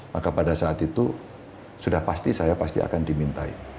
maka pada saat itu sudah pasti saya pasti akan dimintai